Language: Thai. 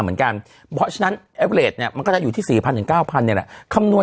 เหมือนกันเพราะฉะนั้นเนี้ยมันก็จะอยู่ที่สี่พันถึงเก้าพันเนี้ยแหละคำนวณ